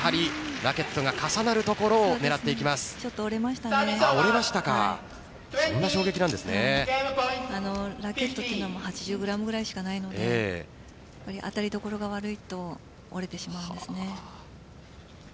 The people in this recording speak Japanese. ラケットは８０ｇぐらいしかないので当たり所が悪いと折れてしまうんですね。